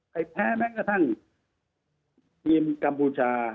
แพ้แม้กระทั่งทีมกัมพูชา